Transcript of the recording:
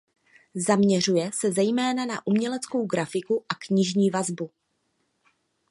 Zaměřuje se zejména na uměleckou grafiku a knižní vazbu.